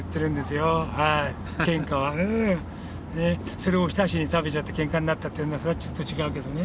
それをおひたしにして食べちゃってケンカになったっていうんでそれはちょっと違うけどね。